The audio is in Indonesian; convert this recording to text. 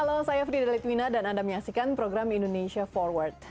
halo saya frida litwina dan anda menyaksikan program indonesia forward